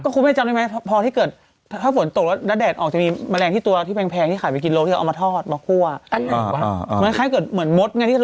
คุณแม่จำได้ไหมพอที่เกิดถ้าฝนตกแล้วแดดออกจะมีแมลงที่ตัวที่แพงที่ขายไปกิโลที่เอามาทอดมาคั่ว